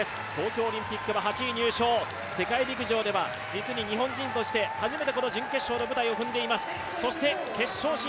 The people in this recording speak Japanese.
東京オリンピックは８位入賞、世界陸上では実に日本人として初めてこの準決勝の舞台を踏んでいます。